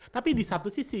tapi di satu sisi